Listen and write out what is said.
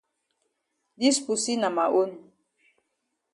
Dis pussy na ma own.